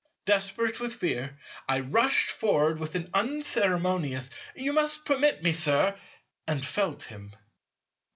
Desperate with fear, I rushed forward with an unceremonious, "You must permit me, Sir—" and felt him.